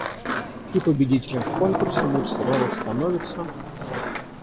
И победителем в конкурсе мультсериалов становится…